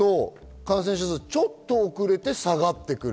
感染者数がちょっと遅れて下がってくる。